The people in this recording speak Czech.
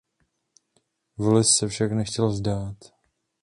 Wallis se však nechtěl vzdát.